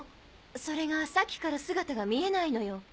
それがさっきから姿が見えないのよ。